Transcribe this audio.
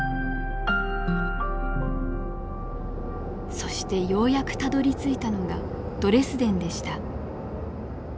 そしてようやくたどりついたのがドレスデンでした。